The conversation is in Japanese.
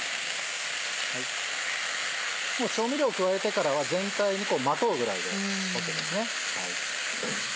調味料を加えてからは全体にまとうぐらいでＯＫですね。